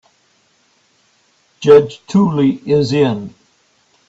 Judge Tully is in.